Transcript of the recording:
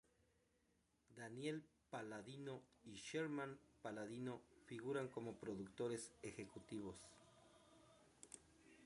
Daniel Palladino y Sherman-Palladino figuran como productores ejecutivos.